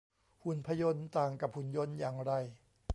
หุ่นพยนต์ ต่างกับหุ่นยนต์อย่างไร